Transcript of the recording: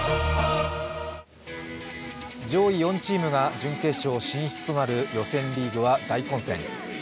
上位４チームが準決勝進出となる予選リーグは大混戦。